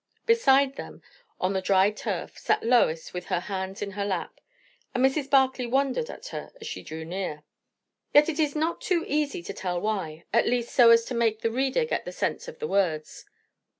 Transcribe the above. Beside them, on the dry turf, sat Lois with her hands in her lap; and Mrs. Barclay wondered at her as she drew near. Yet it is not too easy to tell why, at least so as to make the reader get at the sense of the words.